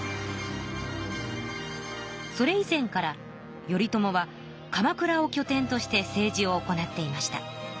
それ以前から頼朝は鎌倉をきょ点として政治を行っていました。